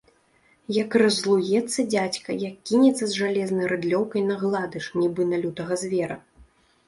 Як раззлуецца дзядзька, як кінецца з жалезнай рыдлёўкай на гладыш, нібы на лютага звера.